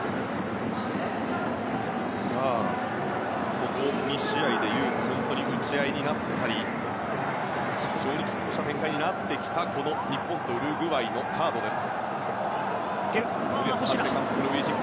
ここ２試合でいうと本当に打ち合いになったり非常に拮抗した展開になってきた日本とウルグアイのカードです。